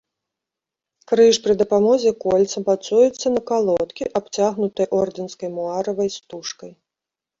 Крыж пры дапамозе кольца мацуецца да калодкі, абцягнутай ордэнскай муаравай стужкай.